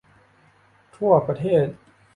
ทั่วประเทศ